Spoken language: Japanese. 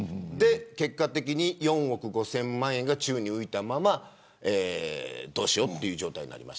結果的に４億５０００万円が宙に浮いたままどうしようという状態です。